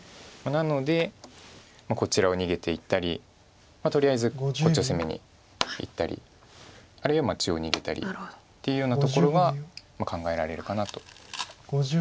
なのでこちらを逃げていったりとりあえずこっちを攻めにいったりあるいは中央逃げたりっていうようところは考えられるかなと。